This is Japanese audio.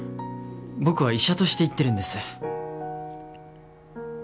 僕は医者として言ってるんです。